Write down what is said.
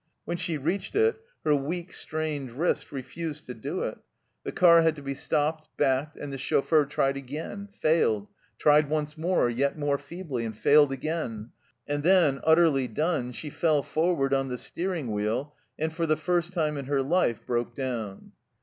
When she reached it her weak, strained wrist refused to do it. The car 104 THE CELLAR HOUSE OF PERVYSE had to be stopped, backed, and the chauffeur tried again, failed ; tried once more, yet more feebly, and failed again ; and then, utterly done, she fell forward on the steering wheel and for the first time in her life broke down.